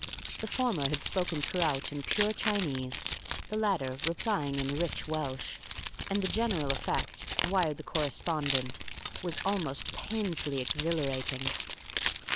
The former had spoken throughout in pure Chinese, the latter replying in rich Welsh, and the general effect, wired the correspondent, was almost painfully exhilarating.